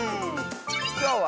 きょうは。